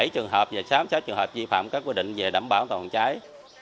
chín mươi bảy trường hợp và sáu mươi sáu trường hợp vi phạm các quy định về đảm bảo phòng cháy